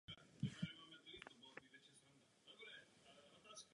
Vede zalesněným územím "Přírodní rezervace Šance" kolem severní části hradiště Závist.